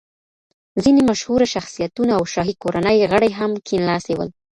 ځینې مشهوره شخصیتونه او شاهي کورنۍ غړي هم کیڼ لاسي ول.